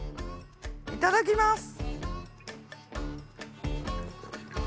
いただきます。